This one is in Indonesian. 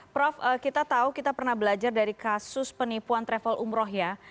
prof kita tahu kita pernah belajar dari kasus penipuan travel umroh ya